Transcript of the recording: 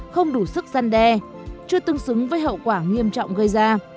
không đủ sức gian đe chưa tương xứng với hậu quả nghiêm trọng gây ra